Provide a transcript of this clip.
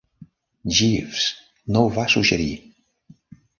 Jeeves no ho va suggerir.